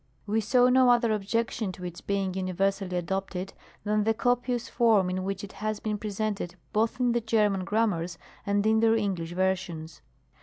We saw no other objection to its being universally adopted, than the copious form in which it has been presented both in the German Grammars, and in their English versions.